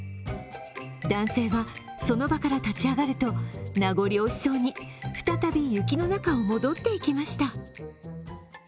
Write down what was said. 男性はその場から立ち上がると名残惜しそうに、再び雪の中を戻っていきました。